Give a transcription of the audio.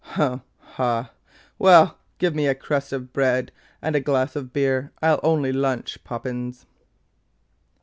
'Hum! hah! well give me a crust of bread and a glass of beer. I'll only LUNCH, Poppins.